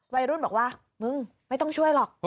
วัยรุ่นบอกว่ามึงไม่ต้องช่วยหรอก